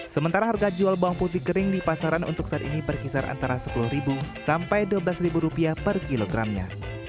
sementara harga jual bawang putih kering di pasaran untuk saat ini berkisar antara rp sepuluh sampai rp dua belas per kilogramnya